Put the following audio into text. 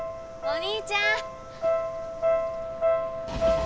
お兄ちゃん！？